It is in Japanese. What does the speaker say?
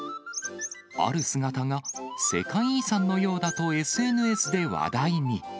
ある姿が世界遺産のようだとＳＮＳで話題に。